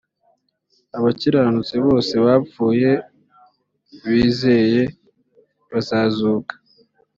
abakiranutsi bose bapfuye bizeye bazazuka